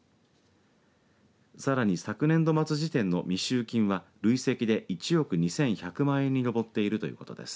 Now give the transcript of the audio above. さらに昨年度末時点での未収金は累積で１億２１００万円に上っているということです。